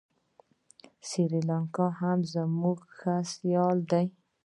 سریلانکا هم زموږ ښه سیال دی.